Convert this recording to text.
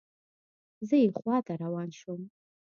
زه یې خواته روان شوم.